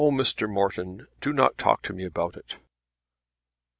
"Oh, Mr. Morton; do not talk to me about it!"